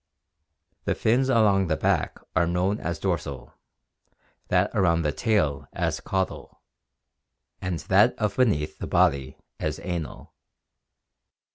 The fins along the back are known as dorsal, that around the tail as caudal, and that beneath the body as anal.